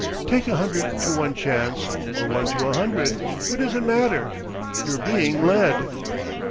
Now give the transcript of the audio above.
Take a hundred to one chance, or one to a hundred—what does it matter? You're being Led."